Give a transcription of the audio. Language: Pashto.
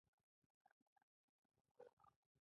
افغانستان کې فاریاب د هنر په اثار کې منعکس کېږي.